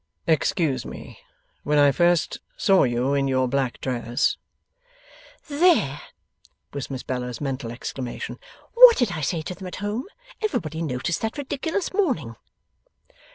'Excuse me; when I first saw you in your black dress ' ['There!' was Miss Bella's mental exclamation. 'What did I say to them at home? Everybody noticed that ridiculous mourning.